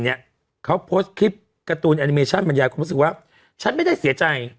เนี้ยเขาคลิปการ์ตูนมันยาคงรู้สึกว่าฉันไม่ได้เสียใจ